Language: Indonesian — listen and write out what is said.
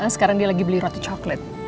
sekarang dia lagi beli roti coklat